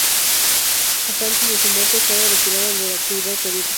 Hasta antes de su muerte estaba retirada de la actividad política.